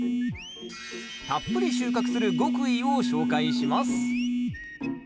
たっぷり収穫する極意を紹介します